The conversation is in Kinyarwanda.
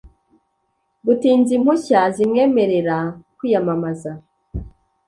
gutinza impushya zimwemerera kwiyamamaza